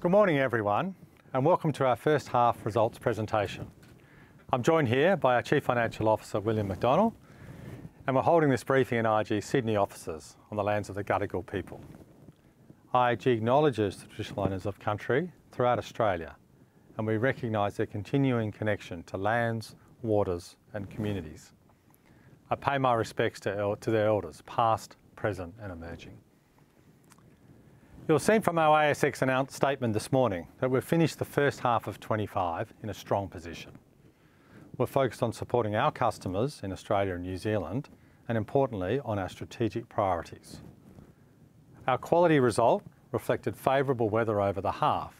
Good morning, everyone, and welcome to our first half results presentation. I'm joined here by our Chief Financial Officer, William McDonnell, and we're holding this briefing in IAG Sydney offices on the lands of the Gadigal people. IAG acknowledges the traditional owners of country throughout Australia, and we recognize their continuing connection to lands, waters, and communities. I pay my respects to their elders, past, present, and emerging. You'll have seen from our ASX statement this morning that we've finished the first half of 2025 in a strong position. We're focused on supporting our customers in Australia and New Zealand, and importantly, on our strategic priorities. Our quality result reflected favorable weather over the half,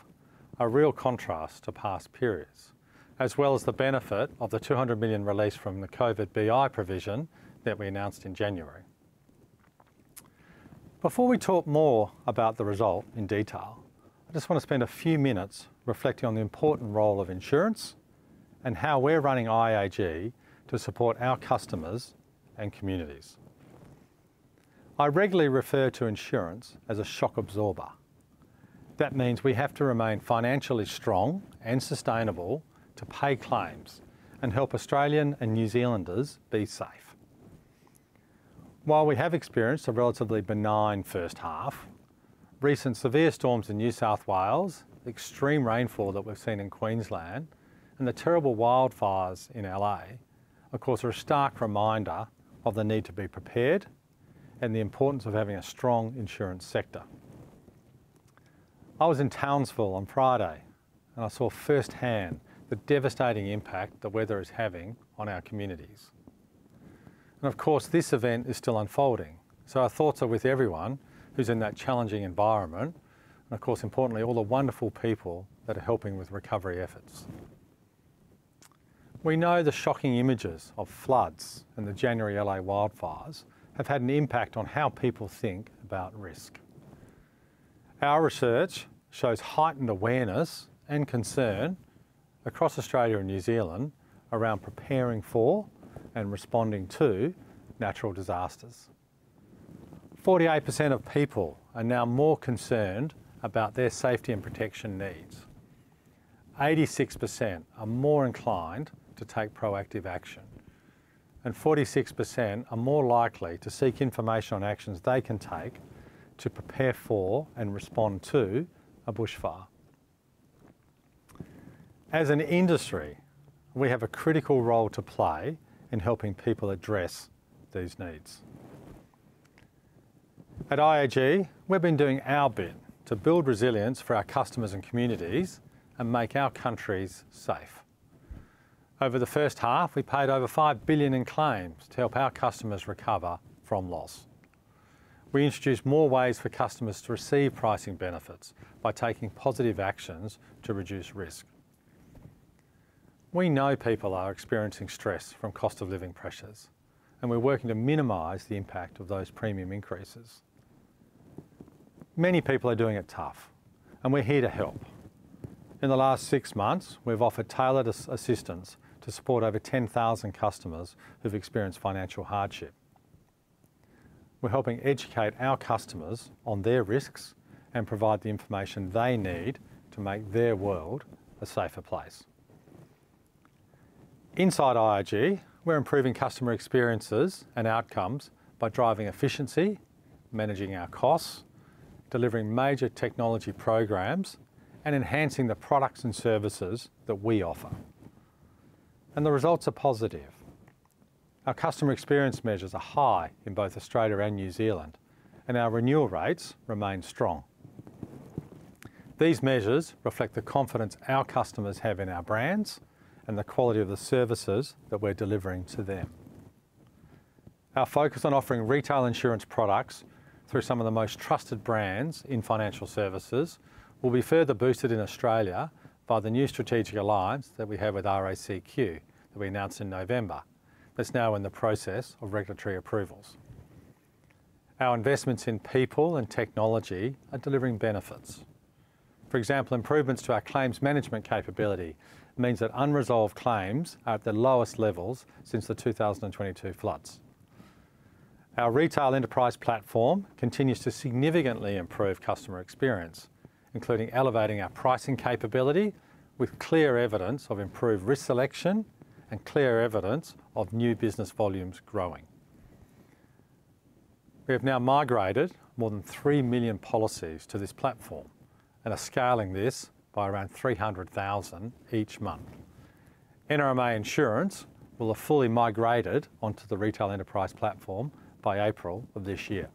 a real contrast to past periods, as well as the benefit of the 200 million release from the COVID BI provision that we announced in January. Before we talk more about the result in detail, I just want to spend a few minutes reflecting on the important role of insurance and how we're running IAG to support our customers and communities. I regularly refer to insurance as a shock absorber. That means we have to remain financially strong and sustainable to pay claims and help Australian and New Zealanders be safe. While we have experienced a relatively benign first half, recent severe storms in New South Wales, the extreme rainfall that we've seen in Queensland, and the terrible wildfires in LA, of course, are a stark reminder of the need to be prepared and the importance of having a strong insurance sector. I was in Townsville on Friday, and I saw firsthand the devastating impact the weather is having on our communities. And of course, this event is still unfolding, so our thoughts are with everyone who's in that challenging environment, and of course, importantly, all the wonderful people that are helping with recovery efforts. We know the shocking images of floods and the January LA wildfires have had an impact on how people think about risk. Our research shows heightened awareness and concern across Australia and New Zealand around preparing for and responding to natural disasters. 48% of people are now more concerned about their safety and protection needs. 86% are more inclined to take proactive action, and 46% are more likely to seek information on actions they can take to prepare for and respond to a bushfire. As an industry, we have a critical role to play in helping people address these needs. At IAG, we've been doing our bit to build resilience for our customers and communities and make our countries safe. Over the first half, we paid over 5 billion in claims to help our customers recover from loss. We introduced more ways for customers to receive pricing benefits by taking positive actions to reduce risk. We know people are experiencing stress from cost of living pressures, and we're working to minimize the impact of those premium increases. Many people are doing it tough, and we're here to help. In the last six months, we've offered tailored assistance to support over 10,000 customers who've experienced financial hardship. We're helping educate our customers on their risks and provide the information they need to make their world a safer place. Inside IAG, we're improving customer experiences and outcomes by driving efficiency, managing our costs, delivering major technology programs, and enhancing the products and services that we offer. And the results are positive. Our customer experience measures are high in both Australia and New Zealand, and our renewal rates remain strong. These measures reflect the confidence our customers have in our brands and the quality of the services that we're delivering to them. Our focus on offering retail insurance products through some of the most trusted brands in financial services will be further boosted in Australia by the new strategic alliance that we have with RACQ that we announced in November. That's now in the process of regulatory approvals. Our investments in people and technology are delivering benefits. For example, improvements to our claims management capability mean that unresolved claims are at the lowest levels since the 2022 floods. Our Retail Enterprise Platform continues to significantly improve customer experience, including elevating our pricing capability with clear evidence of improved risk selection and clear evidence of new business volumes growing. We have now migrated more than 3 million policies to this platform and are scaling this by around 300,000 each month. NRMA Insurance will have fully migrated onto the Retail Enterprise Platform by April of this year.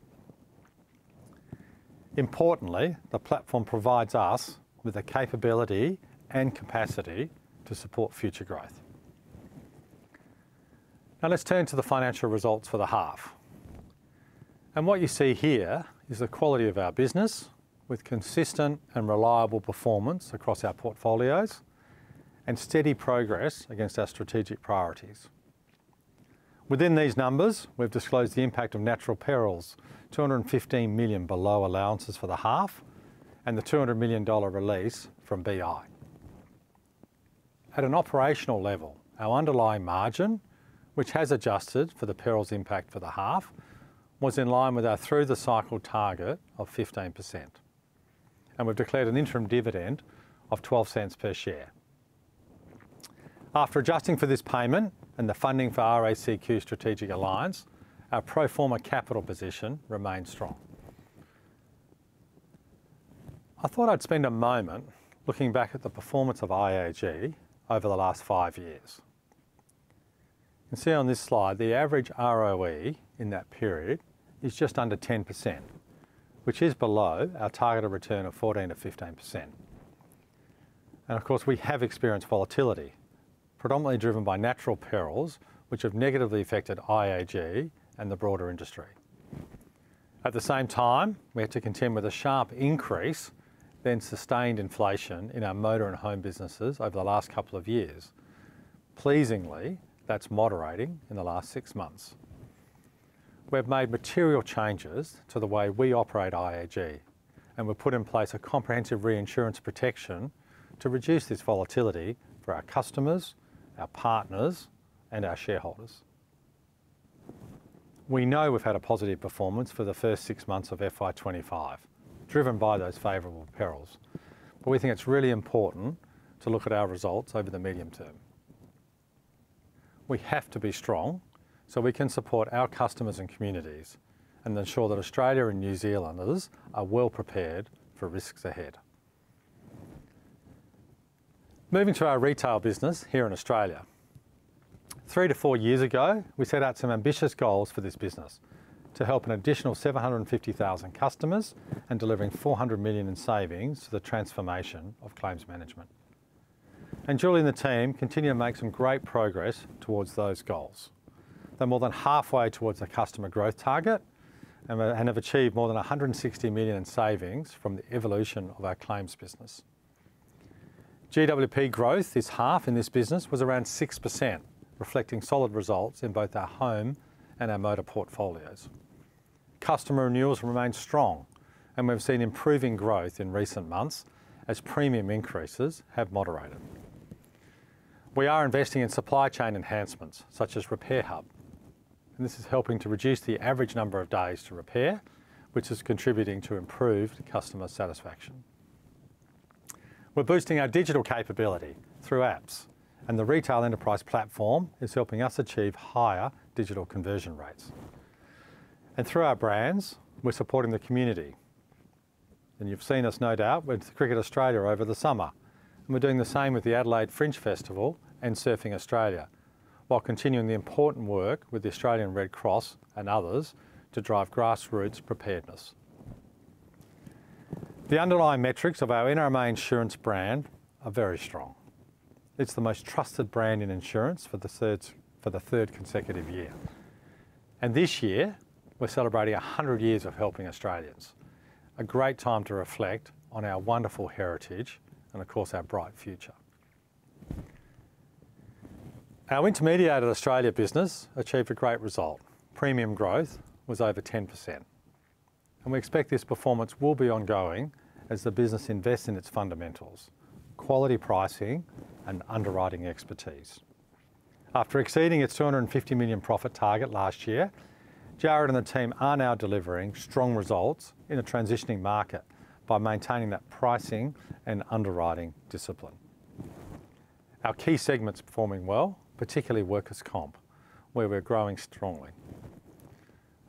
Importantly, the platform provides us with the capability and capacity to support future growth. Now let's turn to the financial results for the half. And what you see here is the quality of our business with consistent and reliable performance across our portfolios and steady progress against our strategic priorities. Within these numbers, we've disclosed the impact of natural perils: 215 million below allowances for the half and the 200 million dollar release from BI. At an operational level, our underlying margin, which has adjusted for the perils impact for the half, was in line with our through-the-cycle target of 15%, and we've declared an interim dividend of 0.12 per share. After adjusting for this payment and the funding for RACQ Strategic Alliance, our pro forma capital position remained strong. I thought I'd spend a moment looking back at the performance of IAG over the last five years. You can see on this slide the average ROE in that period is just under 10%, which is below our target of return of 14%-15%, and of course, we have experienced volatility, predominantly driven by natural perils, which have negatively affected IAG and the broader industry. At the same time, we had to contend with a sharp increase in sustained inflation in our motor and home businesses over the last couple of years. Pleasingly, that's moderating in the last six months. We have made material changes to the way we operate IAG, and we've put in place a comprehensive reinsurance protection to reduce this volatility for our customers, our partners, and our shareholders. We know we've had a positive performance for the first six months of FY25, driven by those favorable perils, but we think it's really important to look at our results over the medium term. We have to be strong so we can support our customers and communities and ensure that Australia and New Zealanders are well prepared for risks ahead. Moving to our retail business here in Australia. Three to four years ago, we set out some ambitious goals for this business to help an additional 750,000 customers and delivering 400 million in savings to the transformation of claims management. Julie and the team continue to make some great progress towards those goals. They're more than halfway towards their customer growth target and have achieved more than 160 million in savings from the evolution of our claims business. GWP growth this half in this business was around 6%, reflecting solid results in both our home and our motor portfolios. Customer renewals remain strong, and we've seen improving growth in recent months as premium increases have moderated. We are investing in supply chain enhancements such as RepairHub, and this is helping to reduce the average number of days to repair, which is contributing to improved customer satisfaction. We're boosting our digital capability through apps, and the Retail Enterprise Platform is helping us achieve higher digital conversion rates. Through our brands, we're supporting the community. You've seen us, no doubt, with Cricket Australia over the summer, and we're doing the same with the Adelaide Fringe Festival and Surfing Australia, while continuing the important work with the Australian Red Cross and others to drive grassroots preparedness. The underlying metrics of our NRMA Insurance brand are very strong. It's the most trusted brand in insurance for the third consecutive year. This year, we're celebrating 100 years of helping Australians, a great time to reflect on our wonderful heritage and, of course, our bright future. Our intermediated Australia business achieved a great result. Premium growth was over 10%. We expect this performance will be ongoing as the business invests in its fundamentals, quality pricing, and underwriting expertise. After exceeding its 250 million profit target last year, Jarrod and the team are now delivering strong results in a transitioning market by maintaining that pricing and underwriting discipline. Our key segment's performing well, particularly workers' comp, where we're growing strongly.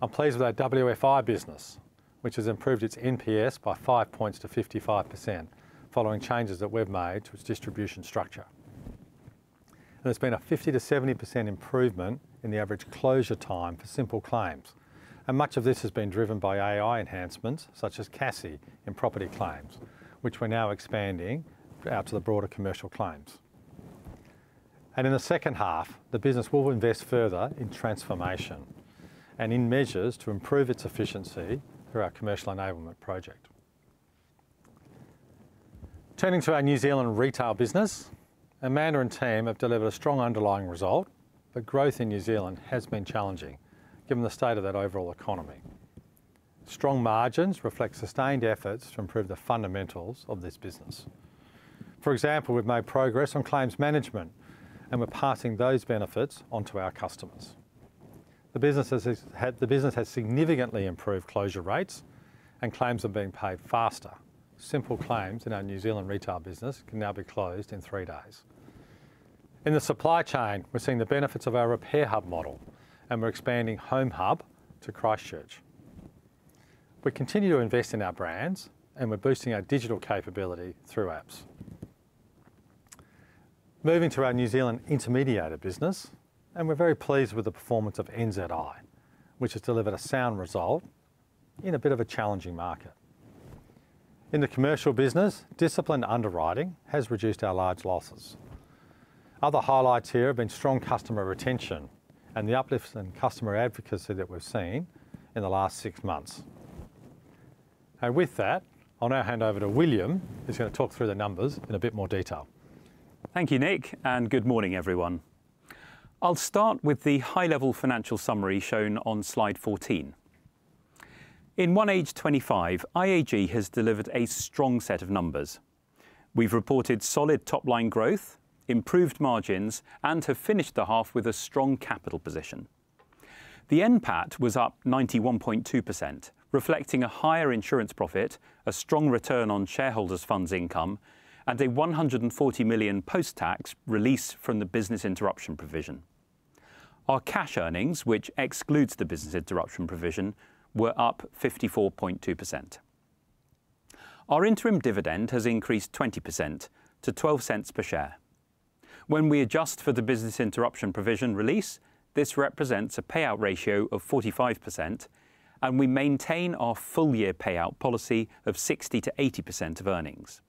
I'm pleased with our WFI business, which has improved its NPS by five points to 55%, following changes that we've made to its distribution structure. There's been a 50%-70% improvement in the average closure time for simple claims. Much of this has been driven by AI enhancements such as CASI in property claims, which we're now expanding out to the broader commercial claims. In the second half, the business will invest further in transformation and in measures to improve its efficiency through our commercial enablement project. Turning to our New Zealand retail business, Amanda and team have delivered a strong underlying result, but growth in New Zealand has been challenging given the state of that overall economy. Strong margins reflect sustained efforts to improve the fundamentals of this business. For example, we've made progress on claims management, and we're passing those benefits onto our customers. The business has significantly improved closure rates, and claims are being paid faster. Simple claims in our New Zealand retail business can now be closed in three days. In the supply chain, we're seeing the benefits of our RepairHub model, and we're expanding HomeHub to Christchurch. We continue to invest in our brands, and we're boosting our digital capability through apps. Moving to our New Zealand intermediated business, and we're very pleased with the performance of NZI, which has delivered a sound result in a bit of a challenging market. In the commercial business, disciplined underwriting has reduced our large losses. Other highlights here have been strong customer retention and the uplift in customer advocacy that we've seen in the last six months. And with that, I'll now hand over to William, who's going to talk through the numbers in a bit more detail. Thank you, Nick, and good morning, everyone. I'll start with the high-level financial summary shown on slide 14. In 1H 25, IAG has delivered a strong set of numbers. We've reported solid top-line growth, improved margins, and have finished the half with a strong capital position. The NPAT was up 91.2%, reflecting a higher insurance profit, a strong return on shareholders' funds income, and a 140 million post-tax release from the business interruption provision. Our cash earnings, which excludes the business interruption provision, were up 54.2%. Our interim dividend has increased 20% to 0.12 per share. When we adjust for the business interruption provision release, this represents a payout ratio of 45%, and we maintain our full-year payout policy of 60%-80% of earnings.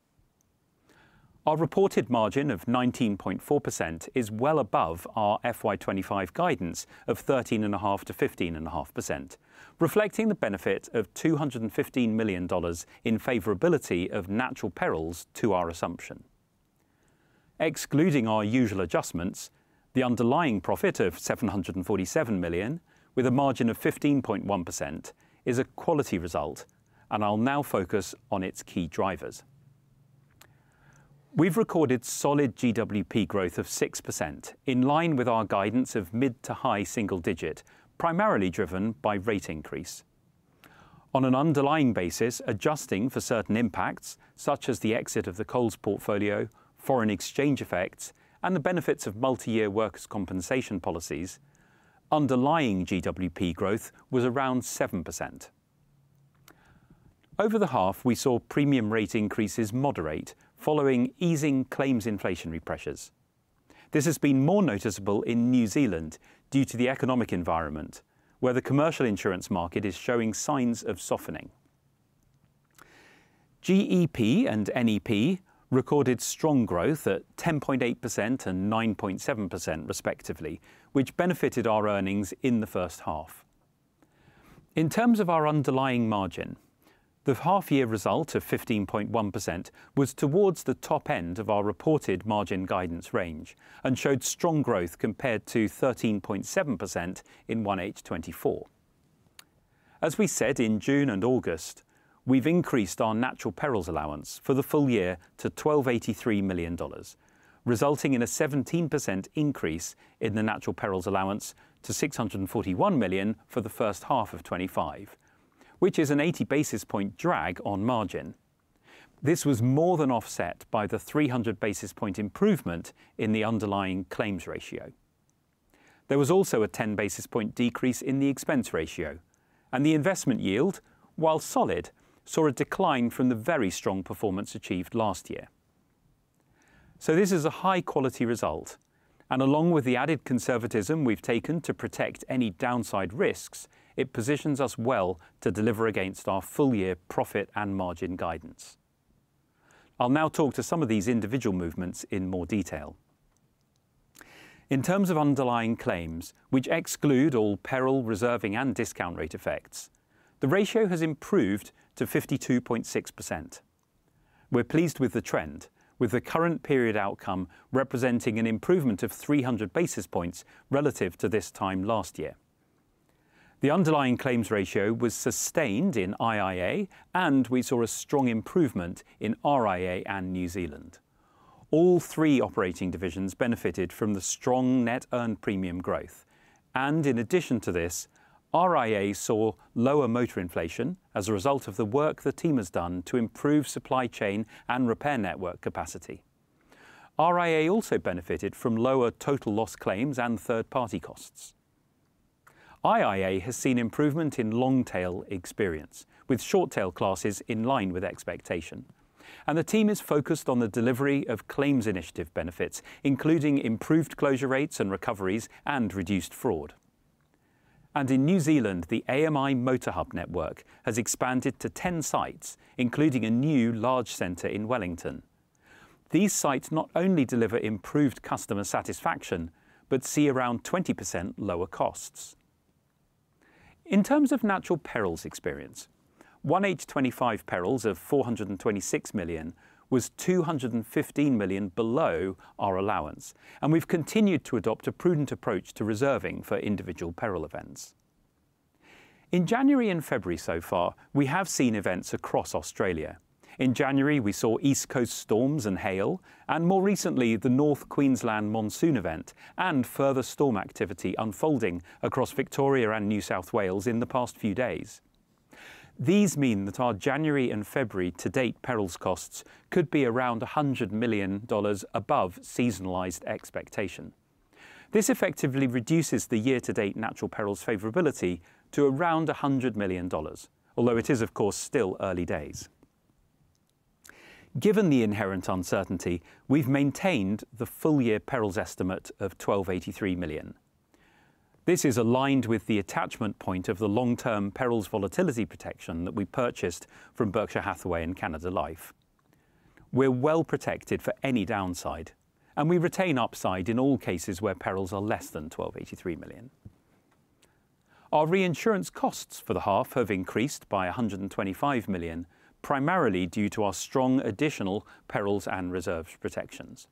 Our reported margin of 19.4% is well above our FY25 guidance of 13.5%-15.5%, reflecting the benefit of 215 million dollars in favorability of natural perils to our assumption. Excluding our usual adjustments, the underlying profit of 747 million, with a margin of 15.1%, is a quality result, and I'll now focus on its key drivers. We've recorded solid GWP growth of 6%, in line with our guidance of mid to high single digit, primarily driven by rate increase. On an underlying basis, adjusting for certain impacts, such as the exit of the Coles portfolio, foreign exchange effects, and the benefits of multi-year workers' compensation policies, underlying GWP growth was around 7%. Over the half, we saw premium rate increases moderate following easing claims inflationary pressures. This has been more noticeable in New Zealand due to the economic environment, where the commercial insurance market is showing signs of softening. GEP and NEP recorded strong growth at 10.8% and 9.7%, respectively, which benefited our earnings in the first half. In terms of our underlying margin, the half-year result of 15.1% was towards the top end of our reported margin guidance range and showed strong growth compared to 13.7% in 1H24. As we said in June and August, we've increased our natural perils allowance for the full year to 1,283 million dollars, resulting in a 17% increase in the natural perils allowance to 641 million for the first half of 2025, which is an 80 basis point drag on margin. This was more than offset by the 300 basis point improvement in the underlying claims ratio. There was also a 10 basis point decrease in the expense ratio, and the investment yield, while solid, saw a decline from the very strong performance achieved last year. So this is a high-quality result, and along with the added conservatism we've taken to protect any downside risks, it positions us well to deliver against our full-year profit and margin guidance. I'll now talk to some of these individual movements in more detail. In terms of underlying claims, which exclude all peril, reserving, and discount rate effects, the ratio has improved to 52.6%. We're pleased with the trend, with the current period outcome representing an improvement of 300 basis points relative to this time last year. The underlying claims ratio was sustained in IIA, and we saw a strong improvement in RIA and New Zealand. All three operating divisions benefited from the strong net earned premium growth, and in addition to this, RIA saw lower motor inflation as a result of the work the team has done to improve supply chain and repair network capacity. RIA also benefited from lower total loss claims and third-party costs. IIA has seen improvement in long-tail experience, with short-tail classes in line with expectation, and the team is focused on the delivery of claims initiative benefits, including improved closure rates and recoveries and reduced fraud. In New Zealand, the AMI Motor Hub network has expanded to 10 sites, including a new large center in Wellington. These sites not only deliver improved customer satisfaction but see around 20% lower costs. In terms of natural perils experience, 1H25 perils of 426 million was 215 million below our allowance, and we've continued to adopt a prudent approach to reserving for individual peril events. In January and February so far, we have seen events across Australia. In January, we saw east coast storms and hail, and more recently, the North Queensland monsoon event and further storm activity unfolding across Victoria and New South Wales in the past few days. These mean that our January and February to date perils costs could be around 100 million dollars above seasonalized expectation. This effectively reduces the year-to-date natural perils favorability to around 100 million dollars, although it is, of course, still early days. Given the inherent uncertainty, we've maintained the full-year perils estimate of 1,283 million. This is aligned with the attachment point of the long-term perils volatility protection that we purchased from Berkshire Hathaway and Canada Life. We're well protected for any downside, and we retain upside in all cases where perils are less than 1,283 million. Our reinsurance costs for the half have increased by 125 million, primarily due to our strong additional perils and reserves protections.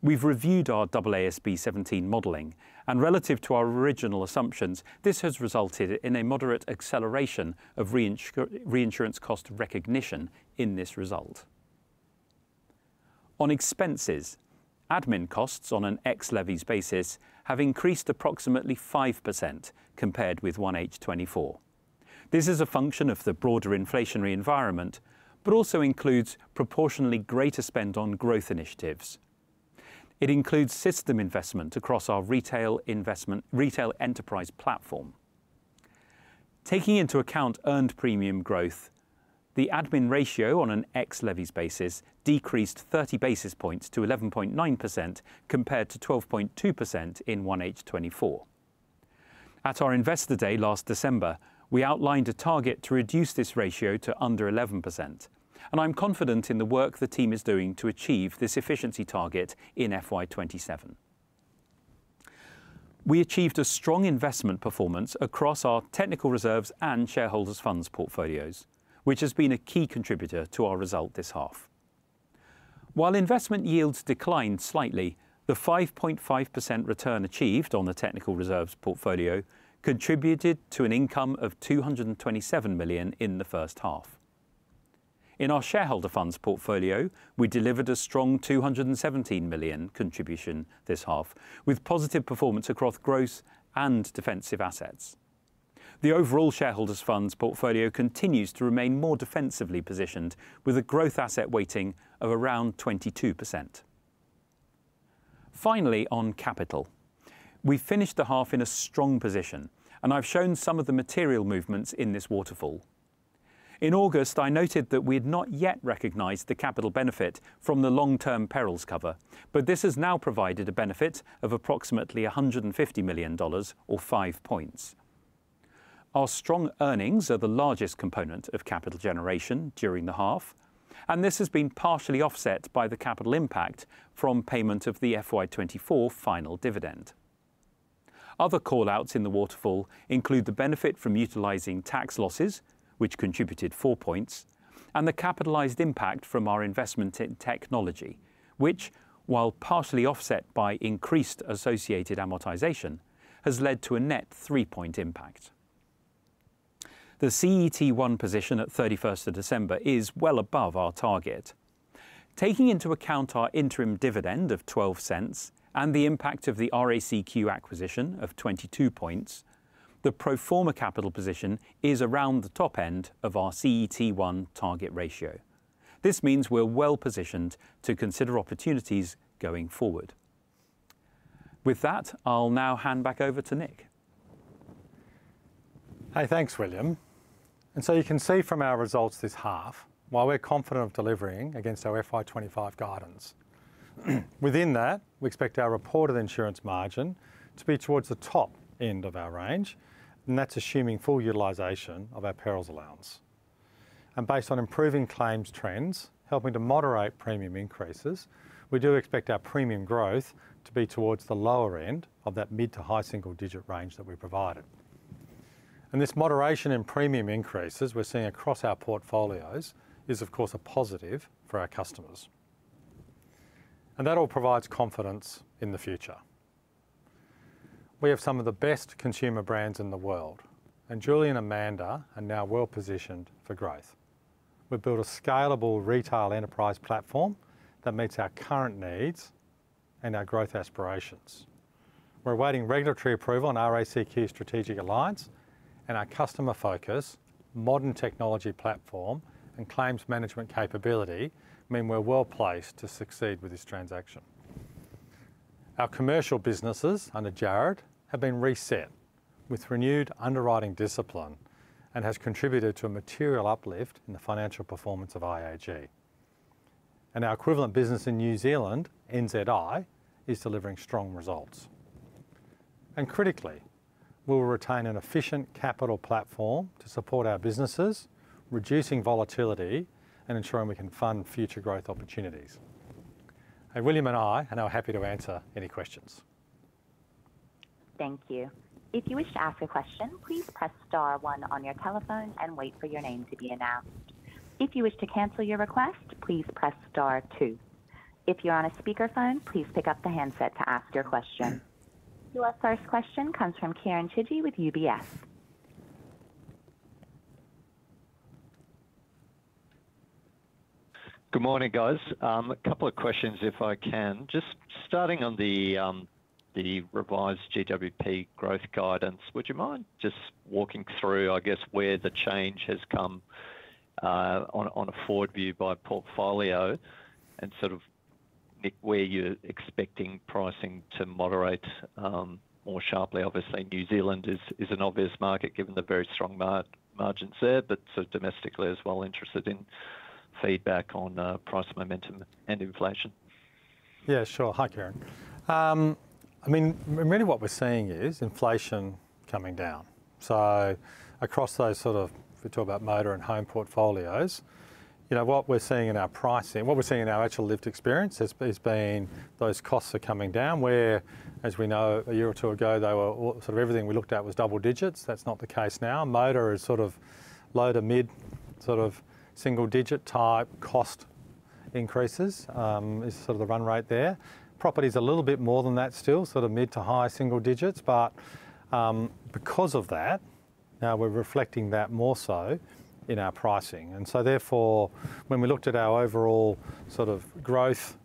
We've reviewed our AASB 17 modelling, and relative to our original assumptions, this has resulted in a moderate acceleration of reinsurance cost recognition in this result. On expenses, admin costs on an ex-levy basis have increased approximately 5% compared with 1H 2024. This is a function of the broader inflationary environment, but also includes proportionally greater spend on growth initiatives. It includes system investment across our Retail Enterprise Platform. Taking into account earned premium growth, the admin ratio on an ex-levies basis decreased 30 basis points to 11.9% compared to 12.2% in 1H24. At our investor day last December, we outlined a target to reduce this ratio to under 11%, and I'm confident in the work the team is doing to achieve this efficiency target in FY27. We achieved a strong investment performance across our technical reserves and shareholders' funds portfolios, which has been a key contributor to our result this half. While investment yields declined slightly, the 5.5% return achieved on the technical reserves portfolio contributed to an income of 227 million in the first half. In our shareholder funds portfolio, we delivered a strong 217 million contribution this half, with positive performance across growth and defensive assets. The overall shareholders' funds portfolio continues to remain more defensively positioned, with a growth asset weighting of around 22%. Finally, on capital, we've finished the half in a strong position, and I've shown some of the material movements in this waterfall. In August, I noted that we had not yet recognized the capital benefit from the long-term perils cover, but this has now provided a benefit of approximately 150 million dollars, or five points. Our strong earnings are the largest component of capital generation during the half, and this has been partially offset by the capital impact from payment of the FY24 final dividend. Other callouts in the waterfall include the benefit from utilizing tax losses, which contributed four points, and the capitalized impact from our investment in technology, which, while partially offset by increased associated amortization, has led to a net three-point impact. The CET1 position at 31st of December is well above our target. Taking into account our interim dividend of 0.12 and the impact of the RACQ acquisition of 22 points, the pro forma capital position is around the top end of our CET1 target ratio. This means we're well positioned to consider opportunities going forward. With that, I'll now hand back over to Nick. Hey, thanks, William. You can see from our results this half, while we're confident of delivering against our FY25 guidance. Within that, we expect our reported insurance margin to be towards the top end of our range, and that's assuming full utilization of our perils allowance, and based on improving claims trends, helping to moderate premium increases, we do expect our premium growth to be towards the lower end of that mid to high single digit range that we provided, and this moderation in premium increases we're seeing across our portfolios is, of course, a positive for our customers, and that all provides confidence in the future. We have some of the best consumer brands in the world, and Julie and Amanda are now well positioned for growth. We've built a scalable Retail Enterprise Platform that meets our current needs and our growth aspirations. We're awaiting regulatory approval on RACQ strategic alliance, and our customer focus, modern technology platform, and claims management capability mean we're well placed to succeed with this transaction. Our commercial businesses under Jarrod have been reset with renewed underwriting discipline and has contributed to a material uplift in the financial performance of IAG. Our equivalent business in New Zealand, NZI, is delivering strong results. Critically, we will retain an efficient capital platform to support our businesses, reducing volatility and ensuring we can fund future growth opportunities. Hey, William and I, and I'm happy to answer any questions. Thank you. If you wish to ask a question, please press star one on your telephone and wait for your name to be announced. If you wish to cancel your request, please press star two. If you're on a speakerphone, please pick up the handset to ask your question. Your first question comes from Kieren Chidgey with UBS. Good morning, guys. A couple of questions, if I can. Just starting on the revised GWP growth guidance, would you mind just walking through, I guess, where the change has come on a forward view by portfolio and sort of where you're expecting pricing to moderate more sharply? Obviously, New Zealand is an obvious market given the very strong margins there, but so domestically as well, interested in feedback on price momentum and inflation. Yeah, sure. Hi, Kieren. I mean, really what we're seeing is inflation coming down. Across those sort of, if we talk about motor and home portfolios, you know what we're seeing in our pricing, what we're seeing in our actual lived experience has been those costs are coming down where, as we know, a year or two ago, they were sort of everything we looked at was double digits. That's not the case now. Motor is sort of low- to mid-single-digit-type cost increases is sort of the run rate there. Property is a little bit more than that still, sort of mid- to high-single-digits. But because of that, now we're reflecting that more so in our pricing. And so therefore, when we looked at our overall sort of growth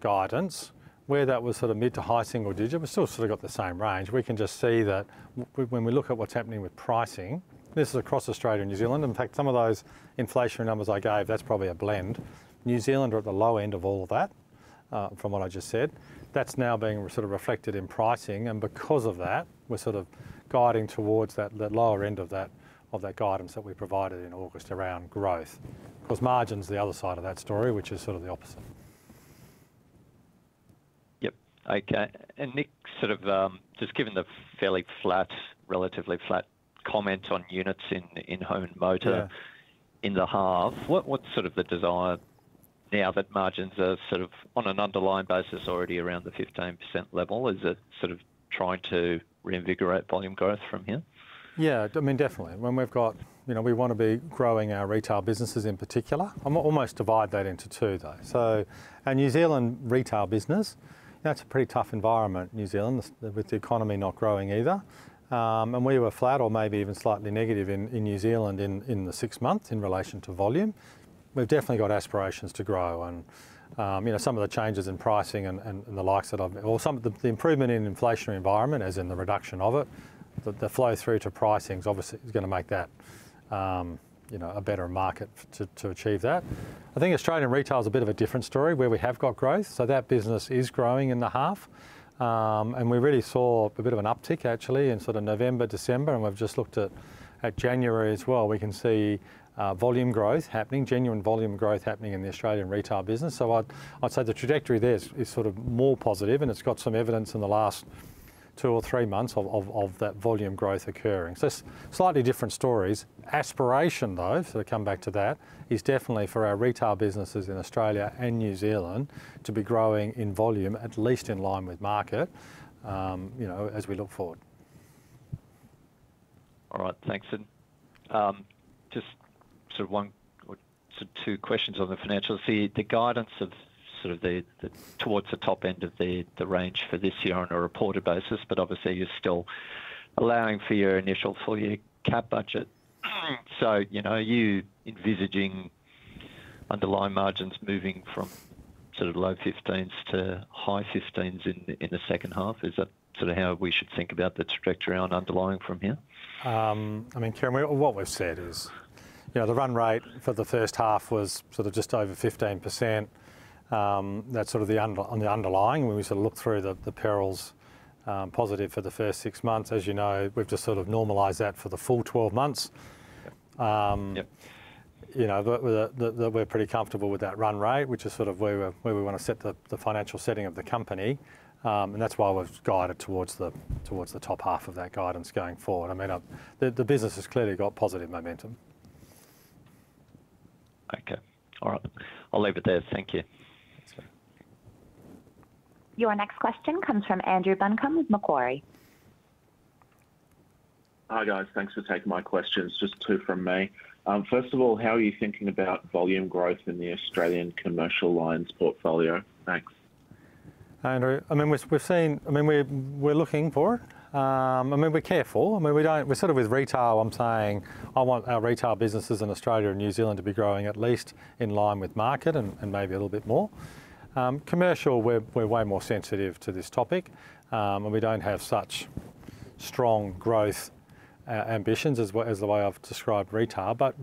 guidance, where that was sort of mid- to high-single-digit, we still sort of got the same range. We can just see that when we look at what's happening with pricing. This is across Australia and New Zealand. In fact, some of those inflation numbers I gave, that's probably a blend. New Zealand are at the low end of all of that from what I just said. That's now being sort of reflected in pricing. And because of that, we're sort of guiding towards that lower end of that guidance that we provided in August around growth because margin is the other side of that story, which is sort of the opposite. Yep. Okay. And Nick, sort of just given the fairly flat, relatively flat comment on units in home motor in the half, what's sort of the desire now that margins are sort of on an underlying basis already around the 15% level? Is it sort of trying to reinvigorate volume growth from here? Yeah, I mean, definitely. When we've got, you know, we want to be growing our retail businesses in particular. I'm almost divide that into two, though. So our New Zealand retail business, that's a pretty tough environment, New Zealand, with the economy not growing either. And we were flat or maybe even slightly negative in New Zealand in the six months in relation to volume. We've definitely got aspirations to grow. And you know, some of the changes in pricing and the likes that I've, or some of the improvement in inflationary environment, as in the reduction of it, the flow through to pricing is obviously going to make that, you know, a better market to achieve that. I think Australian retail is a bit of a different story where we have got growth. So that business is growing in the half. And we really saw a bit of an uptick, actually, in sort of November, December. And we've just looked at January as well. We can see volume growth happening, genuine volume growth happening in the Australian retail business. So I'd say the trajectory there is sort of more positive, and it's got some evidence in the last two or three months of that volume growth occurring. So slightly different stories. Aspiration, though, so to come back to that, is definitely for our retail businesses in Australia and New Zealand to be growing in volume, at least in line with market, you know, as we look forward. All right, thanks, Nick. Just sort of one or two questions on the financials. The guidance of sort of the towards the top end of the range for this year on a reported basis, but obviously you're still allowing for your initial CapEx budget. So, you know, are you envisaging underlying margins moving from sort of low 15s to high 15s in the second half? Is that sort of how we should think about the trajectory on underlying from here? I mean, Kieren, what we've said is, you know, the run rate for the first half was sort of just over 15%. That's sort of the underlying. When we sort of look through the perils positive for the first six months, as you know, we've just sort of normalized that for the full 12 months. You know, that we're pretty comfortable with that run rate, which is sort of where we want to set the financial setting of the company. And that's why we've guided towards the top half of that guidance going forward. I mean, the business has clearly got positive momentum. Okay. All right. I'll leave it there. Thank you. Your next question comes from Andrew Buncombe with Macquarie. Hi, guys. Thanks for taking my questions. Just two from me. First of all, how are you thinking about volume growth in the Australian commercial lines portfolio? Thanks. Hi, Andrew. I mean, we've seen, I mean, we're looking for it. I mean, we're careful. I mean, we don't, we're sort of with retail, I'm saying, I want our retail businesses in Australia and New Zealand to be growing at least in line with market and maybe a little bit more. Commercial, we're way more sensitive to this topic, and we don't have such strong growth ambitions as the way I've described retail. But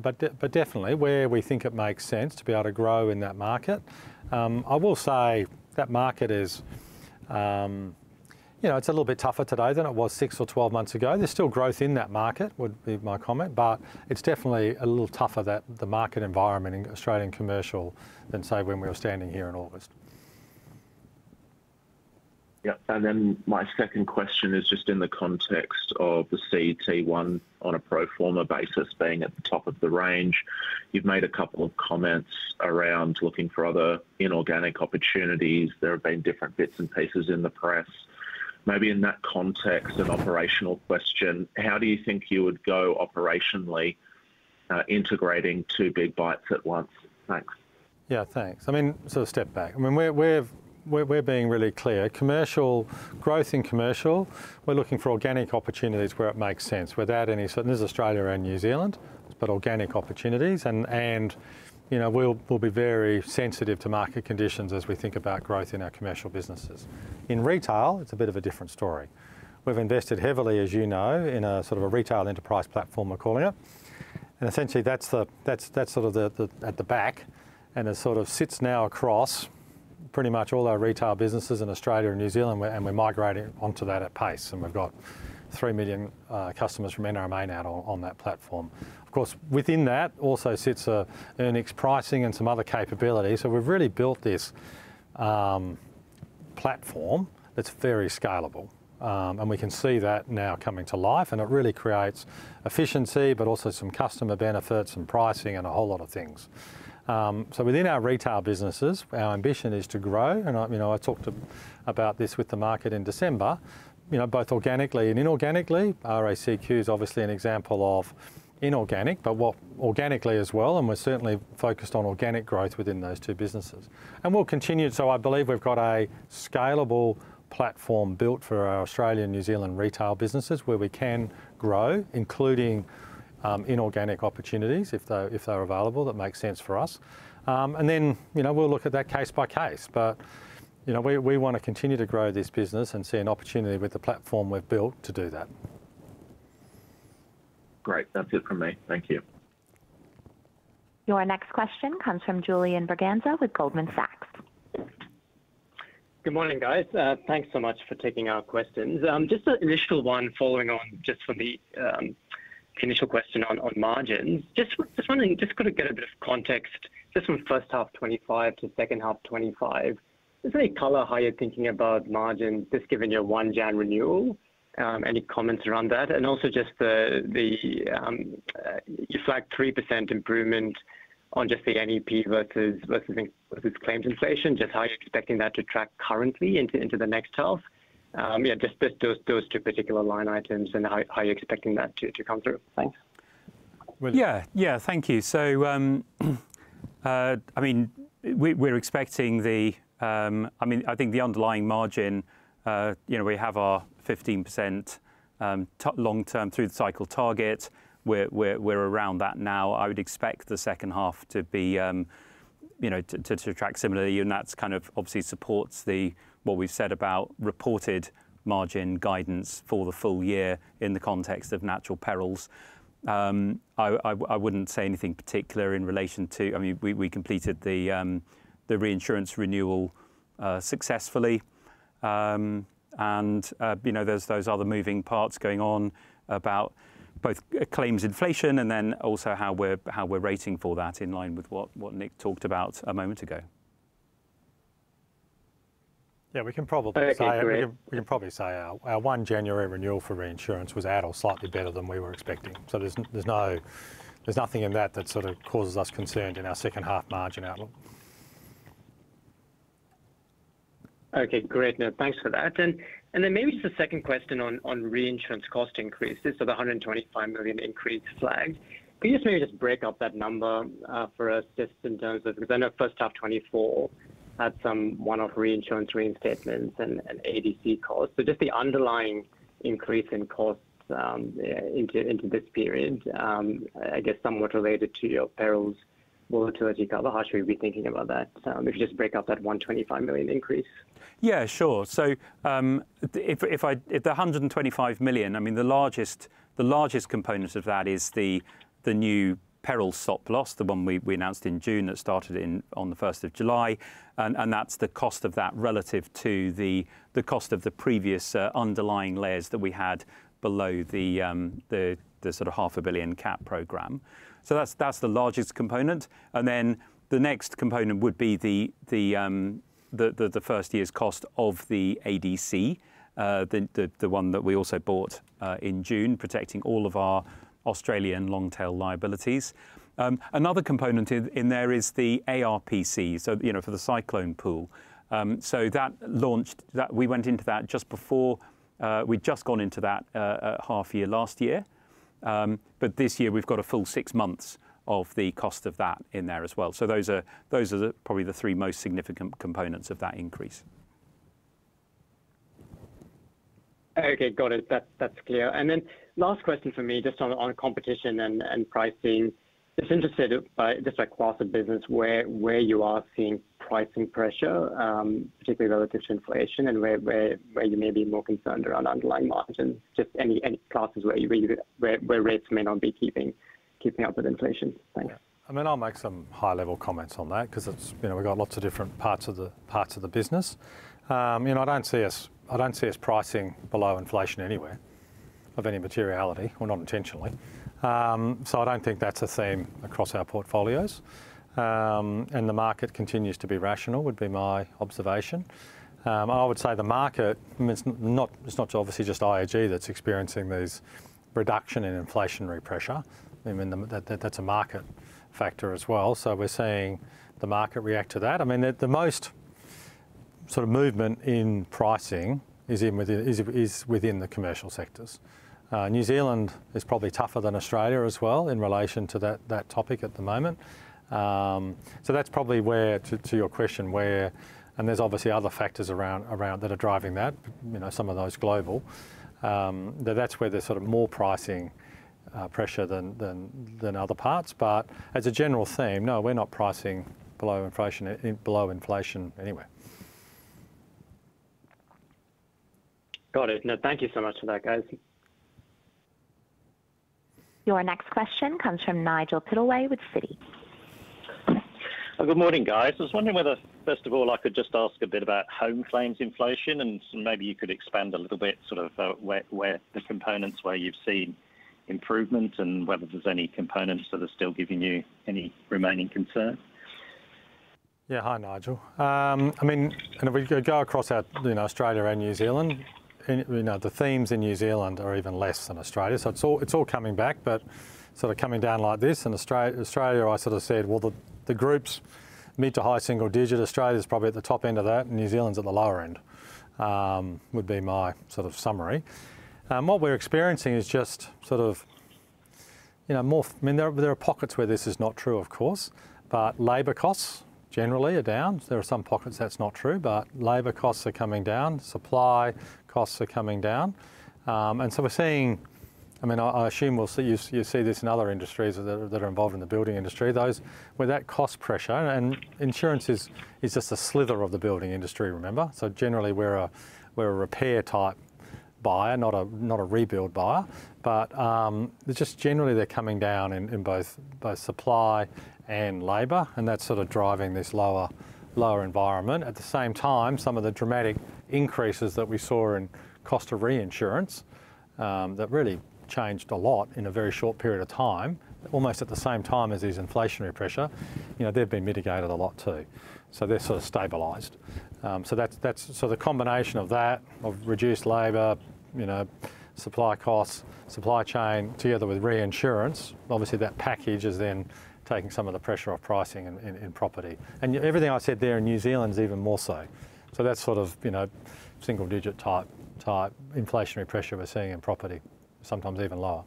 definitely, where we think it makes sense to be able to grow in that market, I will say that market is, you know, it's a little bit tougher today than it was six or 12 months ago. There's still growth in that market would be my comment, but it's definitely a little tougher than the market environment in Australian commercial than say when we were standing here in August. Yeah. And then my second question is just in the context of the CET1 on a pro forma basis being at the top of the range. You've made a couple of comments around looking for other inorganic opportunities. There have been different bits and pieces in the press. Maybe in that context, an operational question, how do you think you would go operationally integrating two big bites at once? Thanks. Yeah, thanks. I mean, sort of step back. I mean, we're being really clear. Commercial growth in commercial, we're looking for organic opportunities where it makes sense without any sort of, and this is Australia and New Zealand, but organic opportunities. And, you know, we'll be very sensitive to market conditions as we think about growth in our commercial businesses. In retail, it's a bit of a different story. We've invested heavily, as you know, in a sort of a Retail Enterprise Platform, we're calling it. And essentially, that's sort of at the back and sort of sits now across pretty much all our retail businesses in Australia and New Zealand, and we're migrating onto that at pace. And we've got three million customers from NRMA now on that platform. Of course, within that also sits Earnings Pricing and some other capabilities. So we've really built this platform that's very scalable. And we can see that now coming to life. And it really creates efficiency, but also some customer benefits and pricing and a whole lot of things. So within our retail businesses, our ambition is to grow. And I talked about this with the market in December, you know, both organically and inorganically. RACQ is obviously an example of inorganic, but organically as well. And we're certainly focused on organic growth within those two businesses. And we'll continue. So I believe we've got a scalable platform built for our Australia and New Zealand retail businesses where we can grow, including inorganic opportunities if they're available that make sense for us. And then, you know, we'll look at that case by case. But, you know, we want to continue to grow this business and see an opportunity with the platform we've built to do that. Great. That's it from me. Thank you. Your next question comes from Julian Braganza with Goldman Sachs. Good morning, guys. Thanks so much for taking our questions. Just an initial one following on just from the initial question on margins. Just wondering, just got to get a bit of context. Just from first half 25 to second half 25, is there any color how you're thinking about margins just given your one-year renewal? Any comments around that? And also just the, you flagged 3% improvement on just the NEP versus claims inflation, just how you're expecting that to track currently into the next half? Yeah, just those two particular line items and how you're expecting that to come through. Thanks. Yeah, yeah, thank you. So, I mean, we're expecting the, I mean, I think the underlying margin, you know, we have our 15% long-term through the cycle target. We're around that now. I would expect the second half to be, you know, to track similarly. And that's kind of obviously supports the, what we've said about reported margin guidance for the full year in the context of natural perils. I wouldn't say anything particular in relation to, I mean, we completed the reinsurance renewal successfully. And, you know, there's those other moving parts going on about both claims inflation and then also how we're rating for that in line with what Nick talked about a moment ago. Yeah, we can probably say our one January renewal for reinsurance was at or slightly better than we were expecting. So there's nothing in that that sort of causes us concern in our second half margin outlook. Okay, great. Thanks for that. And then maybe just a second question on reinsurance cost increases, so the 125 million increase flagged. Could you just break up that number for us in terms of, because I know first half 2024 had some one-off reinsurance reinstatements and ADC costs. So just the underlying increase in costs into this period, I guess somewhat related to your perils volatility cover, how should we be thinking about that? If you just break up that 125 million increase. Yeah, sure. So if the 125 million, I mean, the largest component of that is the new peril stop loss, the one we announced in June that started on the 1st of July. And that's the cost of that relative to the cost of the previous underlying layers that we had below the sort of 500 million cap program. So that's the largest component. Then the next component would be the first year's cost of the ADC, the one that we also bought in June, protecting all of our Australian long-tail liabilities. Another component in there is the ARPC, so you know for the cyclone pool. That launched, we went into that just before, we'd just gone into that half year last year. This year we've got a full six months of the cost of that in there as well. Those are probably the three most significant components of that increase. Okay, got it. That's clear. Then last question for me, just on competition and pricing. Just interested by just like quasi-business where you are seeing pricing pressure, particularly relative to inflation and where you may be more concerned around underlying margins, just any classes where rates may not be keeping up with inflation. Thanks. I mean, I'll make some high-level comments on that because it's, you know, we've got lots of different parts of the business. You know, I don't see us, I don't see us pricing below inflation anywhere of any materiality or not intentionally. So I don't think that's a theme across our portfolios. And the market continues to be rational, would be my observation. I would say the market. It's not obviously just IAG that's experiencing this reduction in inflationary pressure. I mean, that's a market factor as well. So we're seeing the market react to that. I mean, the most sort of movement in pricing is within the commercial sectors. New Zealand is probably tougher than Australia as well in relation to that topic at the moment. So that's probably where, to your question, and there's obviously other factors around that are driving that, you know, some of those global, that's where there's sort of more pricing pressure than other parts. But as a general theme, no, we're not pricing below inflation anywhere. Got it. No, thank you so much for that, guys. Your next question comes from Nigel Pittaway with Citi. Good morning, guys. I was wondering whether, first of all, I could just ask a bit about home claims inflation and maybe you could expand a little bit sort of where the components you've seen improvement and whether there's any components that are still giving you any remaining concern. Yeah, hi, Nigel. I mean, and if we go across our, you know, Australia and New Zealand, you know, the themes in New Zealand are even less than Australia. It's all coming back, but sort of coming down like this in Australia. I sort of said, well, the group's GWP [meets?] a high single digit. Australia is probably at the top end of that. New Zealand's at the lower end would be my sort of summary. And what we're experiencing is just sort of, you know, more, I mean, there are pockets where this is not true, of course, but labor costs generally are down. There are some pockets that's not true, but labor costs are coming down. Supply costs are coming down. And so we're seeing, I mean, I assume you see this in other industries that are involved in the building industry, those where that cost pressure and insurance is just a sliver of the building industry, remember? So generally we're a repair type buyer, not a rebuild buyer, but just generally they're coming down in both supply and labor and that's sort of driving this lower environment. At the same time, some of the dramatic increases that we saw in cost of reinsurance that really changed a lot in a very short period of time, almost at the same time as these inflationary pressure, you know, they've been mitigated a lot too. So they're sort of stabilized. So that's sort of the combination of that, of reduced labor, you know, supply costs, supply chain together with reinsurance. Obviously, that package is then taking some of the pressure off pricing in property. And everything I said there in New Zealand is even more so. So that's sort of, you know, single digit type inflationary pressure we're seeing in property, sometimes even lower.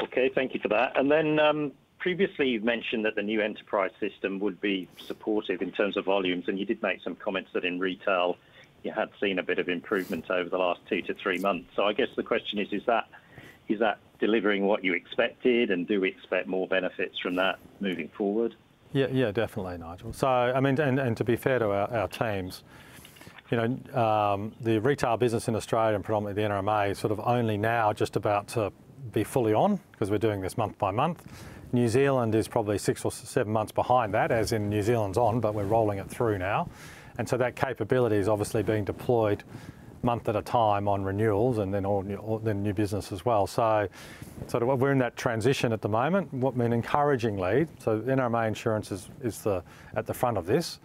Okay, thank you for that. And then previously you've mentioned that the new enterprise system would be supportive in terms of volumes. And you did make some comments that in retail you had seen a bit of improvement over the last two to three months. So I guess the question is, is that delivering what you expected and do we expect more benefits from that moving forward? Yeah, yeah, definitely, Nigel. So, I mean, and to be fair to our teams, you know, the retail business in Australia and predominantly the NRMA is sort of only now just about to be fully on because we're doing this month by month. New Zealand is probably six or seven months behind that, as in New Zealand's on, but we're rolling it through now. And so that capability is obviously being deployed month at a time on renewals and then new business as well. So sort of we're in that transition at the moment. Which means encouragingly, so NRMA Insurance is at the front of this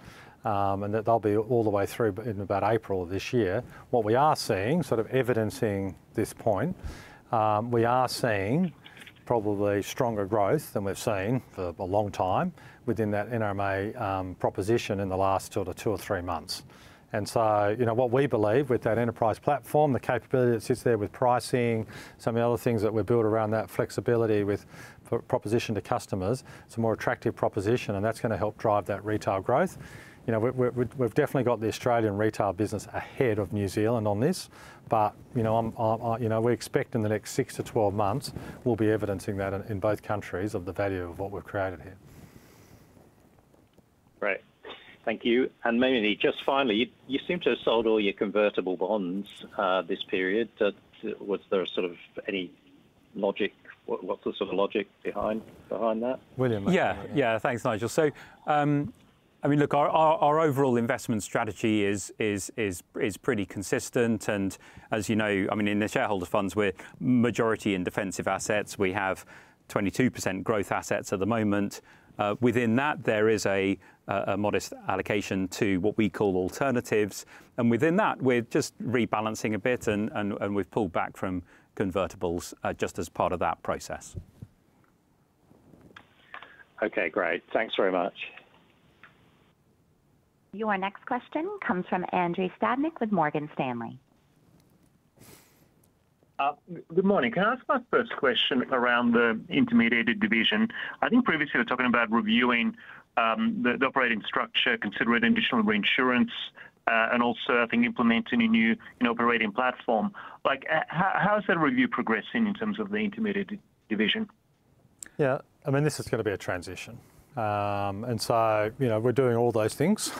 and that they'll be all the way through in about April of this year. What we are seeing, sort of evidencing this point, we are seeing probably stronger growth than we've seen for a long time within that NRMA proposition in the last sort of two or three months. And so, you know, what we believe with that enterprise platform, the capability that sits there with pricing, some of the other things that we've built around that flexibility with proposition to customers, it's a more attractive proposition and that's going to help drive that retail growth. You know, we've definitely got the Australian retail business ahead of New Zealand on this, but, you know, we expect in the next 6-12 months we'll be evidencing that in both countries of the value of what we've created here. Great. Thank you. And maybe just finally, you seem to have sold all your convertible bonds this period. Was there sort of any logic, what's the sort of logic behind that? William. Yeah, yeah, thanks, Nigel. So, I mean, look, our overall investment strategy is pretty consistent. And as you know, I mean, in the shareholder funds, we're majority in defensive assets. We have 22% growth assets at the moment. Within that, there is a modest allocation to what we call alternatives. And within that, we're just rebalancing a bit and we've pulled back from convertibles just as part of that process. Okay, great. Thanks very much. Your next question comes from Andrei Stadnik with Morgan Stanley. Good morning. Can I ask my first question around the intermediated division? I think previously we were talking about reviewing the operating structure, considering additional reinsurance and also I think implementing a new operating platform. Like, how is that review progressing in terms of the intermediated division? Yeah, I mean, this is going to be a transition. And so, you know, we're doing all those things.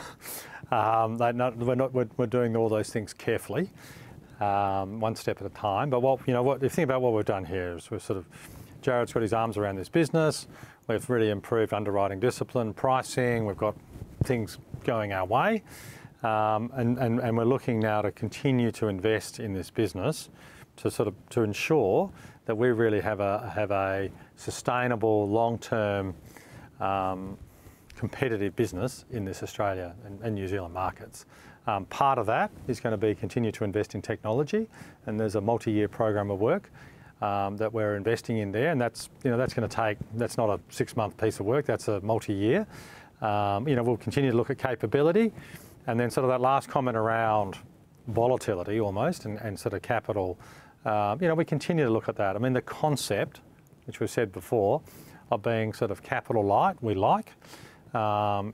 We're doing all those things carefully, one step at a time. But what you know, what you think about what we've done here is we've sort of, Jarrod's got his arms around this business. We've really improved underwriting discipline, pricing. We've got things going our way. And we're looking now to continue to invest in this business to sort of to ensure that we really have a sustainable long-term competitive business in this Australia and New Zealand markets. Part of that is going to be continue to invest in technology. And there's a multi-year program of work that we're investing in there. And that's, you know, that's going to take, that's not a six-month piece of work. That's a multi-year. You know, we'll continue to look at capability. And then sort of that last comment around volatility almost and sort of capital, you know, we continue to look at that. I mean, the concept, which we said before, of being sort of capital light, we like.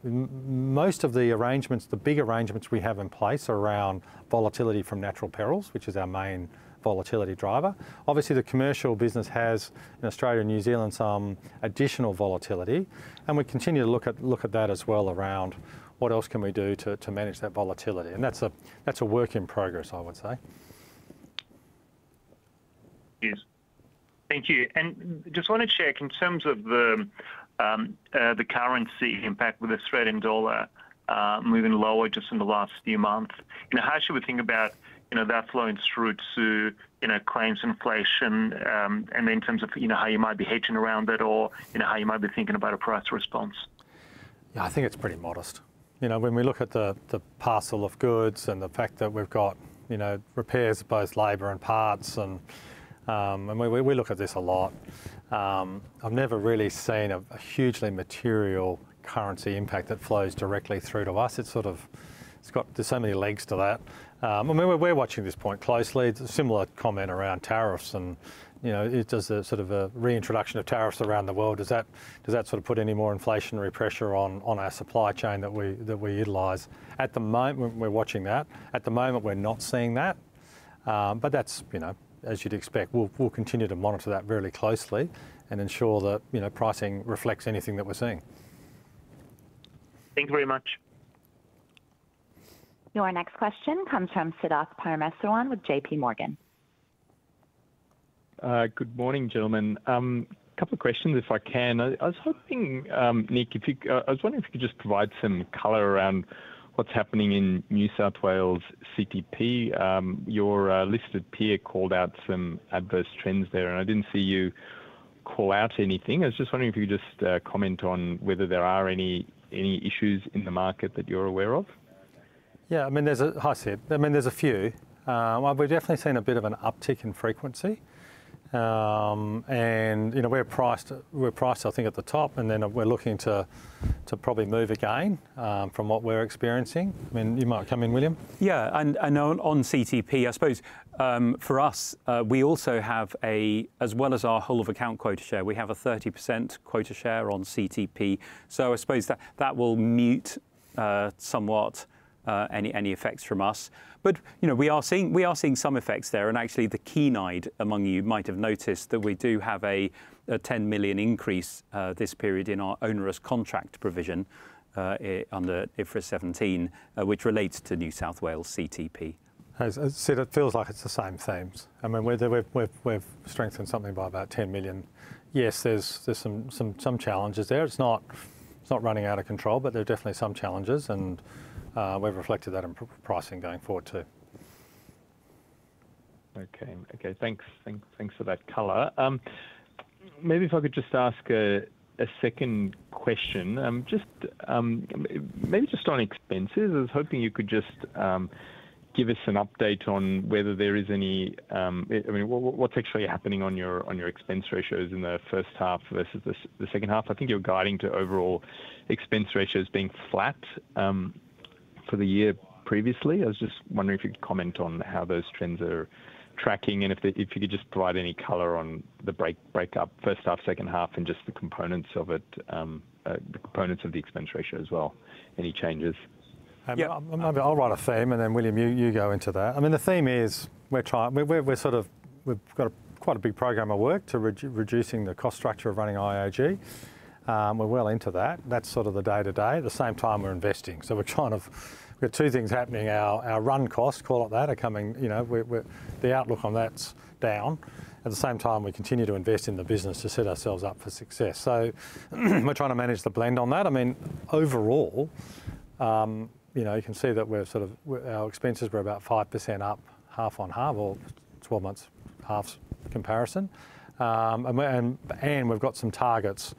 Most of the arrangements, the big arrangements we have in place around volatility from natural perils, which is our main volatility driver. Obviously, the commercial business has in Australia and New Zealand some additional volatility, and we continue to look at that as well around what else can we do to manage that volatility. And that's a work in progress, I would say. Yes. Thank you. And just want to check in terms of the currency impact with the Australian dollar moving lower just in the last few months. You know, how should we think about, you know, that flowing through to, you know, claims inflation and then in terms of, you know, how you might be hedging around that or, you know, how you might be thinking about a price response? Yeah, I think it's pretty modest. You know, when we look at the parcel of goods and the fact that we've got, you know, repairs of both labor and parts, and we look at this a lot. I've never really seen a hugely material currency impact that flows directly through to us. It's sort of, it's got so many legs to that. I mean, we're watching this point closely. It's a similar comment around tariffs and, you know, it does a sort of a reintroduction of tariffs around the world. Does that sort of put any more inflationary pressure on our supply chain that we utilize? At the moment, we're watching that. At the moment, we're not seeing that. But that's, you know, as you'd expect, we'll continue to monitor that really closely and ensure that, you know, pricing reflects anything that we're seeing. Thank you very much. Your next question comes from Siddharth Parameswaran with J.P. Morgan. Good morning, gentlemen. A couple of questions if I can. I was hoping, Nick, if you, I was wondering if you could just provide some color around what's happening in New South Wales CTP. Your listed peer called out some adverse trends there and I didn't see you call out anything. I was just wondering if you could just comment on whether there are any issues in the market that you're aware of. Yeah, I mean, there's a few. We've definitely seen a bit of an uptick in frequency. And, you know, we're priced, I think, at the top and then we're looking to probably move again from what we're experiencing. I mean, you might come in, William. Yeah, and on CTP, I suppose for us, as well as our whole of account quota share, we have a 30% quota share on CTP. So I suppose that will mute somewhat any effects from us. But, you know, we are seeing some effects there. And actually the keen-eyed among you might have noticed that we do have an 10 million increase this period in our onerous contract provision under IFRS 17, which relates to New South Wales CTP. I see that feels like it's the same themes. I mean, we've strengthened something by about 10 million. Yes, there's some challenges there. It's not running out of control, but there are definitely some challenges and we've reflected that in pricing going forward too. Okay, okay, thanks. Thanks for that color. Maybe if I could just ask a second question, just maybe just on expenses. I was hoping you could just give us an update on whether there is any. I mean, what's actually happening on your expense ratios in the first half versus the second half. I think you're guiding to overall expense ratios being flat for the year previously. I was just wondering if you could comment on how those trends are tracking and if you could just provide any color on the breakdown, first half, second half, and just the components of it, the components of the expense ratio as well. Any changes? Yeah, I'll right the theme and then William, you go into that. I mean, the theme is we're trying. We're sort of. We've got quite a big program of work to reducing the cost structure of running IAG. We're well into that. That's sort of the day-to-day. At the same time, we're investing. So we're trying to, we've got two things happening. Our run costs, call it that, are coming, you know, the outlook on that's down. At the same time, we continue to invest in the business to set ourselves up for success. So we're trying to manage the blend on that. I mean, overall, you know, you can see that we're sort of, our expenses were about 5% up, half on half or 12 months half comparison. And we've got some targets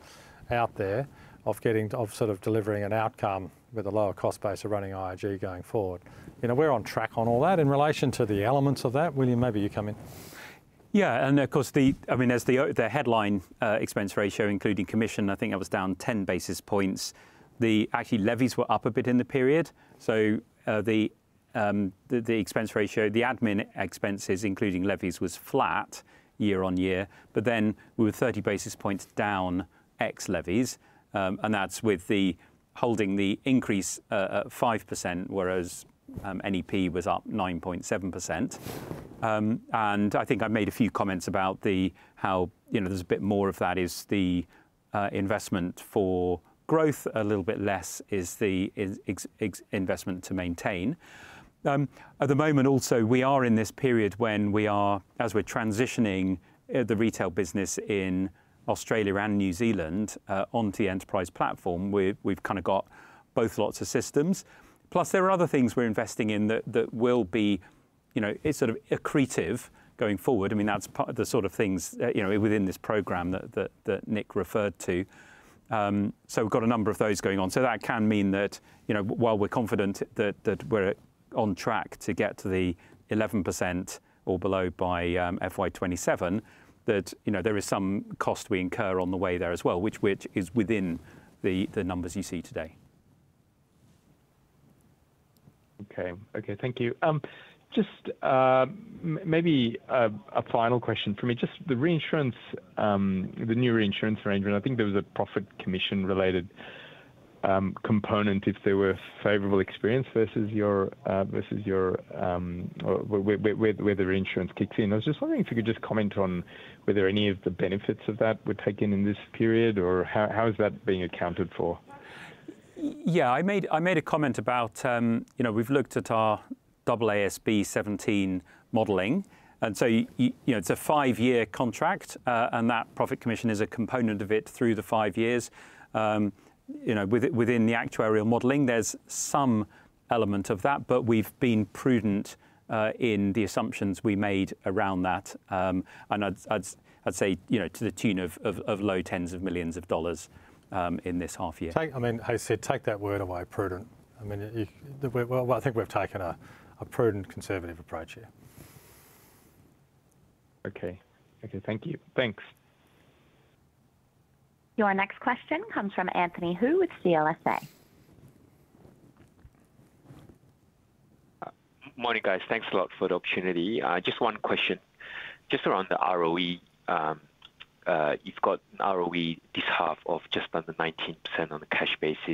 out there of getting to sort of delivering an outcome with a lower cost base of running IAG going forward. You know, we're on track on all that in relation to the elements of that. William, maybe you come in. Yeah, and of course, I mean, as the headline expense ratio, including commission, I think that was down 10 basis points. Actually, the levies were up a bit in the period, so the expense ratio, the admin expenses, including levies, was flat year on year, but then we were 30 basis points down ex levies, and that's with the increase held at 5%, whereas NEP was up 9.7%, and I think I've made a few comments about the, how, you know, there's a bit more of that is the investment for growth, a little bit less is the investment to maintain. At the moment also, we are in this period when we are, as we're transitioning the retail business in Australia and New Zealand onto the enterprise platform, we've kind of got both lots of systems. Plus there are other things we're investing in that will be, you know, it's sort of accretive going forward. I mean, that's the sort of things, you know, within this program that Nick referred to. So we've got a number of those going on. So that can mean that, you know, while we're confident that we're on track to get to the 11% or below by FY27, that, you know, there is some cost we incur on the way there as well, which is within the numbers you see today. Okay, okay, thank you. Just maybe a final question for me. Just the reinsurance, the new reinsurance arrangement, I think there was a profit commission related component if there were favorable experience versus your, versus your, where the reinsurance kicks in. I was just wondering if you could just comment on whether any of the benefits of that were taken in this period or how is that being accounted for? Yeah, I made a comment about, you know, we've looked at our AASB 17 modeling. And so, you know, it's a five-year contract and that profit commission is a component of it through the five years. You know, within the actuarial modeling, there's some element of that, but we've been prudent in the assumptions we made around that. And I'd say, you know, to the tune of low tens of millions of dollars in this half year. I mean, I said, take that word away, prudent. I mean, well, I think we've taken a prudent conservative approach here. Okay, okay, thank you. Thanks. Your next question comes from Anthony Hu with CLSA. Morning guys, thanks a lot for the opportunity. Just one question. Just around the ROE, you've got an ROE this half of just under 19% on a cash basis.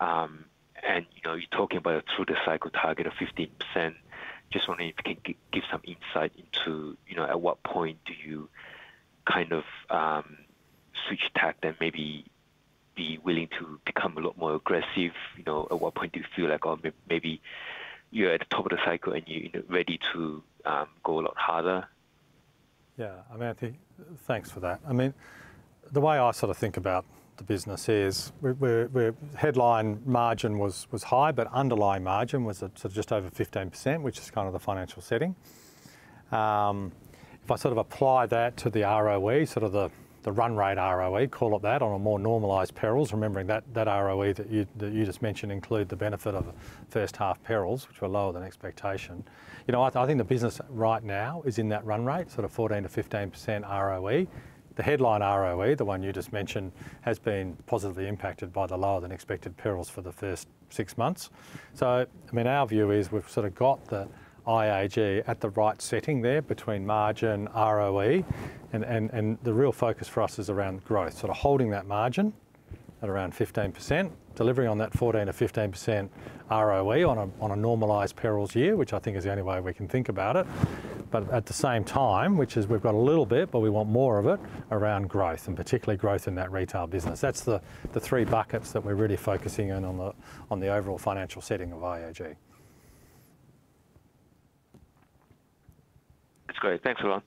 You know, you're talking about a through the cycle target of 15%. Just wondering if you can give some insight into, you know, at what point do you kind of switch tack and maybe be willing to become a lot more aggressive? You know, at what point do you feel like, oh, maybe you're at the top of the cycle and you're ready to go a lot harder? Yeah, I mean, I think thanks for that. I mean, the way I sort of think about the business is we're headline margin was high, but underlying margin was sort of just over 15%, which is kind of the financial setting. If I sort of apply that to the ROE, sort of the run rate ROE, call it that on a more normalized perils, remembering that ROE that you just mentioned included the benefit of first half perils, which were lower than expectation. You know, I think the business right now is in that run rate, sort of 14%-15% ROE. The headline ROE, the one you just mentioned, has been positively impacted by the lower than expected perils for the first six months. So, I mean, our view is we've sort of got the IAG at the right setting there between margin, ROE, and the real focus for us is around growth, sort of holding that margin at around 15%, delivering on that 14%-15% ROE on a normalized perils year, which I think is the only way we can think about it. But at the same time, which is we've got a little bit, but we want more of it around growth and particularly growth in that retail business. That's the three buckets that we're really focusing in on the overall financial setting of IAG. That's great. Thanks a lot.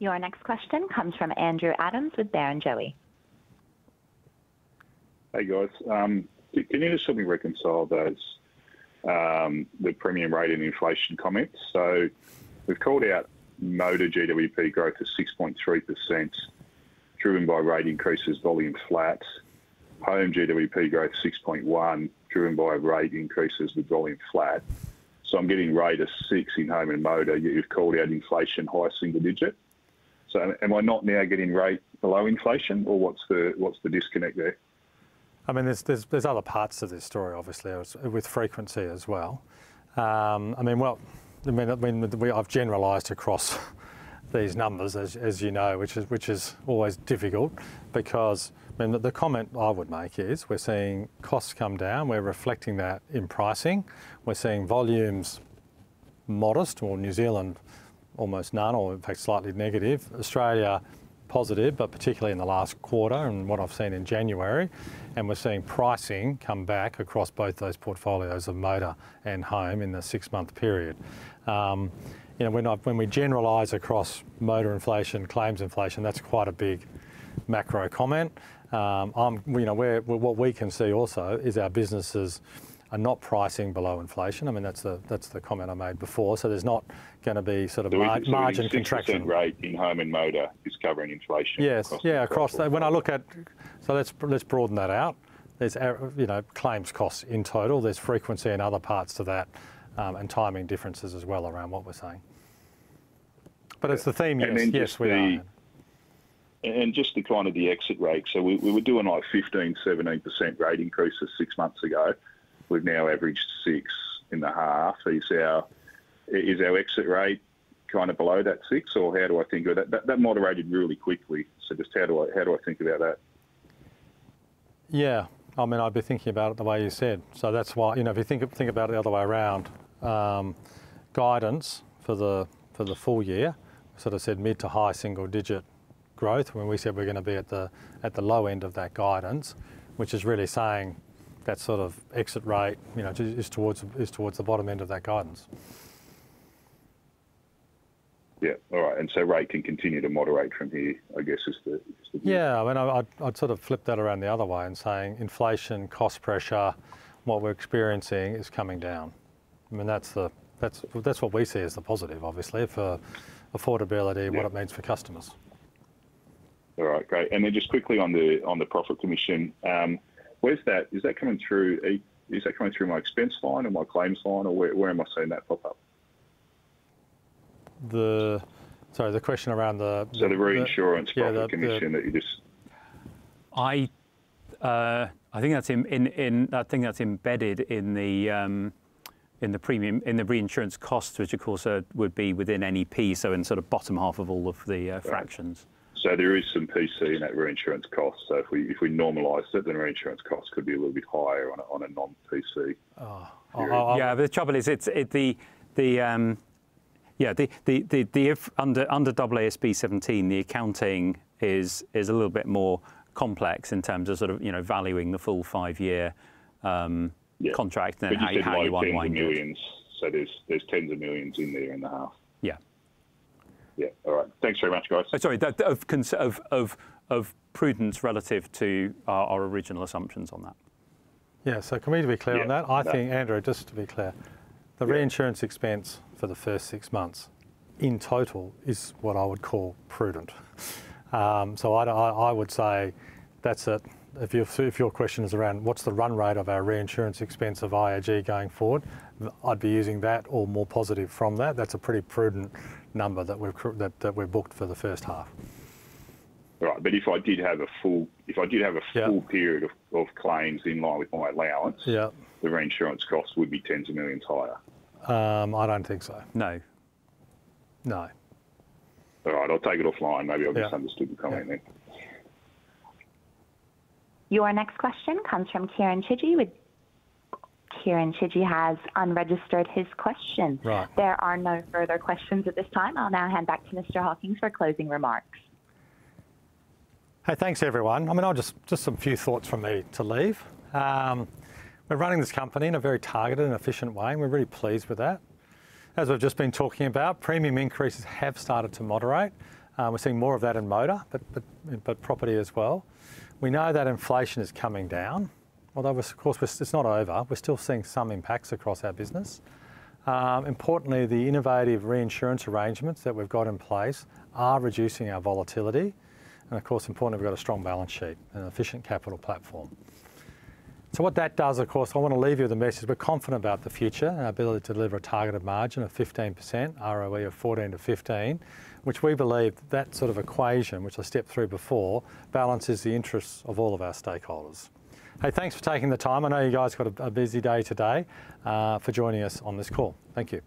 Your next question comes from Andrew Adams with Barrenjoey. Hey guys, can you just help me reconcile those? The premium rate and inflation comments. So we've called out motor GWP growth is 6.3%, driven by rate increases, volume flat. Home GWP growth 6.1%, driven by rate increases, the volume flat. So I'm getting rate of 6% in home and motor. You've called out inflation high single-digit. So am I not now getting rate below inflation or what's the disconnect there? I mean, there's other parts of this story obviously with frequency as well. I mean, well, I've generalized across these numbers as you know, which is always difficult because I mean the comment I would make is we're seeing costs come down. We're reflecting that in pricing. We're seeing volumes modest, or New Zealand almost none, or in fact slightly negative. Australia positive, but particularly in the last quarter and what I've seen in January, and we're seeing pricing come back across both those portfolios of motor and home in the six-month period. You know, when we generalize across motor inflation, claims inflation, that's quite a big macro comment. You know, what we can see also is our businesses are not pricing below inflation. I mean, that's the comment I made before. So there's not going to be sort of margin contraction. Margin rate in home and motor is covering inflation. Yes, yeah. Across when I look at, so let's broaden that out. There's, you know, claims costs in total. There's frequency and other parts to that and timing differences as well around what we're saying. But it's the theme, yes. And just the kind of the exit rate. So we were doing like 15%-17% rate increases six months ago. We've now averaged six and a half. Is our exit rate kind of below that six or how do I think of that? That moderated really quickly. So just how do I think about that? Yeah, I mean. I've been thinking about it the way you said. So that's why, you know, if you think about it the other way around, guidance for the full year, we sort of said mid to high single digit growth when we said we're going to be at the low end of that guidance, which is really saying that sort of exit rate, you know, is towards the bottom end of that guidance. Yeah, all right. And so rate can continue to moderate from here, I guess is the point. Yeah, I mean, I'd sort of flip that around the other way and saying inflation, cost pressure, what we're experiencing is coming down. I mean, that's what we see as the positive, obviously, for affordability, what it means for customers. All right, great. And then just quickly on the profit commission, where's that? Is that coming through? Is that coming through my expense line or my claims line or where am I seeing that pop up? Sorry, the question around the reinsurance profit commission that you just. I think that's embedded in the premium, in the reinsurance costs, which of course would be within NEP, so in sort of bottom half of all of the fractions. So there is some PC in that reinsurance cost. So if we normalize it, then reinsurance costs could be a little bit higher on a non-PC. Yeah, the trouble is, yeah, under AASB 17, the accounting is a little bit more complex in terms of sort of, you know, valuing the full five-year contract than 811. So there's tens of millions in there in the half. Yeah. Yeah, all right. Thanks very much, guys. Sorry, of prudence relative to our original assumptions on that. Yeah, so can we be clear on that? I think, Andrew, just to be clear, the reinsurance expense for the first six months in total is what I would call prudent. So I would say that's it. If your question is around what's the run rate of our reinsurance expense of IAG going forward, I'd be using that or more positive from that. That's a pretty prudent number that we've booked for the first half. All right, but if I did have a full, if I did have a full period of claims in line with my allowance, the reinsurance cost would be tens of millions higher. I don't think so. No. No. All right, I'll take it offline. Maybe I've misunderstood the comment then. Your next question comes from Kieren Chidgey. Kieren Chidgey has unregistered his question. There are no further questions at this time. I'll now hand back to Mr. Hawkins for closing remarks. Hey, thanks everyone. I mean, I'll just a few thoughts from me to leave. We're running this company in a very targeted and efficient way. We're really pleased with that. As we've just been talking about, premium increases have started to moderate. We're seeing more of that in motor, but property as well. We know that inflation is coming down. Although of course, it's not over, we're still seeing some impacts across our business. Importantly, the innovative reinsurance arrangements that we've got in place are reducing our volatility. And of course, importantly, we've got a strong balance sheet and an efficient capital platform. So what that does, of course. I want to leave you with the message we're confident about the future and our ability to deliver a targeted margin of 15%, ROE of 14%-15%, which we believe that sort of equation, which I stepped through before, balances the interests of all of our stakeholders. Hey, thanks for taking the time. I know you guys got a busy day today for joining us on this call. Thank you.